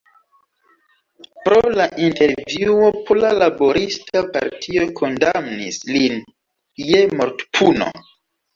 Pro la intervjuo Pola Laborista Partio kondamnis lin je mortpuno.